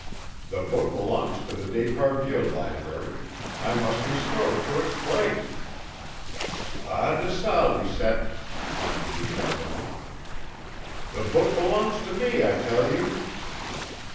"The book belongs to the d'Esparvieu library; I must restore it to its place." "Pas de ça, Lisette" hummed Guinardon. "The book belongs to me, I tell you!"